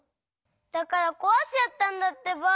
だからこわしちゃったんだってば。